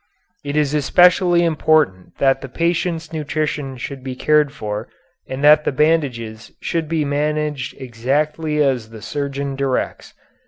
It is especially important that the patient's nutrition should be cared for and that the bandages should be managed exactly as the surgeon directs.